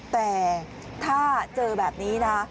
แต่ถ้าเจอแบบนี้นะ